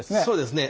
そうですね。